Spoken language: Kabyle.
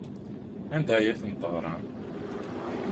Anda ay ten-teɣram?